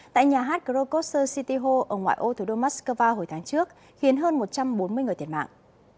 tại nhà hát grokosso city hall ở ngoài ô thủ đô moscow hồi tháng trước khiến hơn một trăm bốn mươi người thiệt mạng